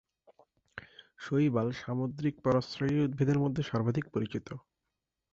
শৈবাল সামুদ্রিক পরাশ্রয়ী উদ্ভিদের মধ্যে সর্বাধিক পরিচিত।